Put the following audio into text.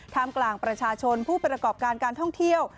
กลางประชาชนผู้ประกอบการการท่องเที่ยว